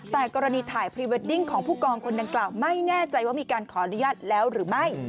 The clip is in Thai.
แต่กรณีถ่ายพรีเวดดิ้งของผู้กองคนดังกล่าวไม่แน่ใจว่ามีการขออนุญาตแล้วหรือไม่